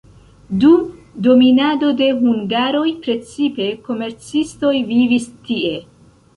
Dum dominado de hungaroj precipe komercistoj vivis tie.